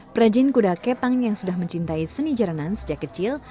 perajin kuda kepang yang sudah mencintai seni jaranan sejak kecil